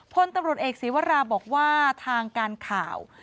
พลตำรวจเอกศีวราบอกว่าทางการข่าว